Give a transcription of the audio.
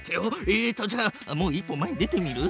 えっとじゃあもう一歩前に出てみる？